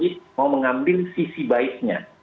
tidak berfungsi mau mengambil sisi baiknya